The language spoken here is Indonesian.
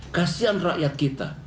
kasian rakyat kita